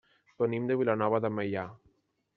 Venim de Vilanova de Meià.